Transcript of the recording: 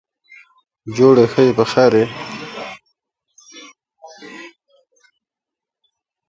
The city has struggled to keep a minor league hockey franchise.